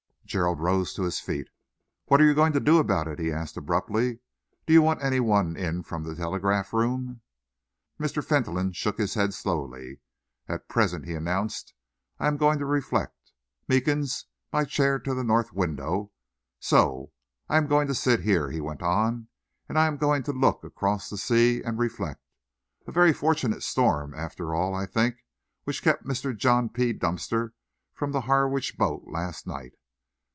Gerald rose to his feet. "What are you going to do about it?" he asked abruptly. "Do you want any one in from the telegraph room?" Mr. Fentolin shook his head slowly. "At present," he announced, "I am going to reflect. Meekins, my chair to the north window so. I am going to sit here," he went on, "and I am going to look across the sea and reflect. A very fortunate storm, after all, I think, which kept Mr. John P. Dunster from the Harwich boat last night.